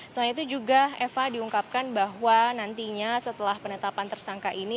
selain itu juga eva diungkapkan bahwa nantinya setelah penetapan tersangka ini